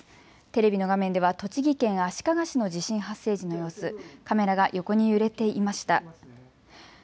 テレビの画面では栃木県足利市の地震発生時の様子、カメラが横に揺れていました。